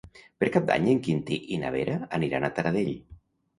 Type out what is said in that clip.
Per Cap d'Any en Quintí i na Vera aniran a Taradell.